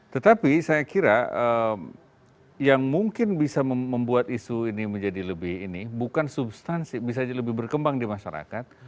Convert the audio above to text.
tetapi saya kira yang mungkin bisa membuat isu ini menjadi lebih ini bukan substansi bisa lebih berkembang di masyarakat